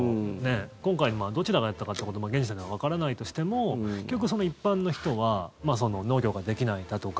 今回どちらがやったかってことも現時点ではわからないとしても結局、一般の人は農業ができないだとか